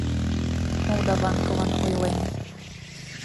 Молдаванкылан ойлем: